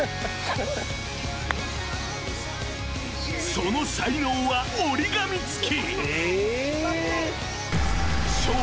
［その才能は折り紙付き］